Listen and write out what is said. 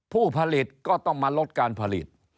ผู้ผลิตก็ต้องมาลดการผลิต